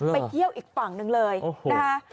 ไปเที่ยวอีกฝั่งหนึ่งเลยนะคะ